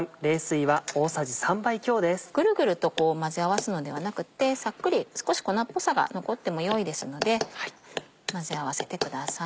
ぐるぐると混ぜ合わすのではなくってさっくり少し粉っぽさが残ってもよいですので混ぜ合わせてください。